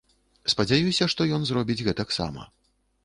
Спадзяюся, што ён зробіць гэтак сама.